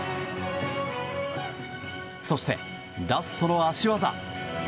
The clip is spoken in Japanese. そして、ラストの脚技。